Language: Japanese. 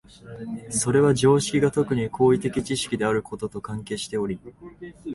それは常識が特に行為的知識であることと関係しており、